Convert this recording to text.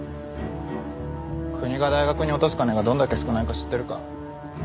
国が大学に落とす金がどんだけ少ないか知ってるか？